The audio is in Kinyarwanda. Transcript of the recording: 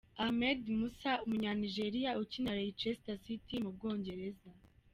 Ahmed Musa umunya-Nigeria ukinira Leicester City mu Bwongereza.